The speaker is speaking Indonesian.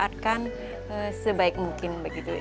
dan sebaik mungkin begitu